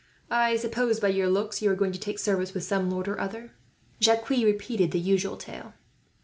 I suppose, by your looks, you are going to take service with some lord or other?" Jacques repeated the usual tale.